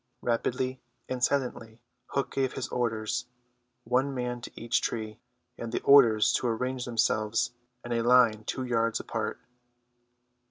Rapidly and silently Hook gave his orders: one man to each tree, and the others to arrange themselves in a line two yards apart.